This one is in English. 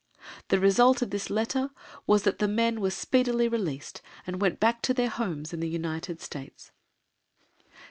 The result of this letter was that the men were speedily released and went back to their homes in the United States.